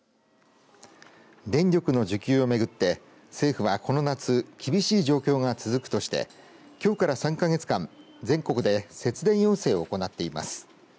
電力の需給を巡って政府はこの夏厳しい状況が続くとしてきょうから３か月間全国で節電要請を行っています。